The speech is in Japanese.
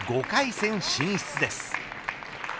５回戦進出です。